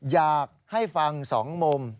อยากให้ฟัง๒มุม